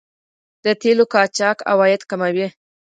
د تیلو قاچاق عواید کموي.